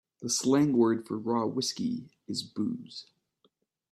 The slang word for raw whiskey is booze.